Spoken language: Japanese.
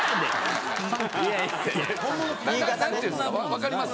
わかります？